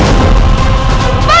untuk bisa pulih jadi